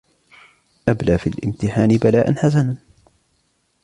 أبلى في الامتحان بلاءً حسنا.